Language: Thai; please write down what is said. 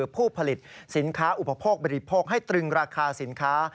ผู้ผลิตสินค้าอุปโภคบริโภคให้ตรึงราคาสินค้า